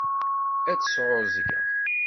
Ad sɛuẓẓgeɣ.